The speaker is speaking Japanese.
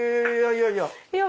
いやいやいや。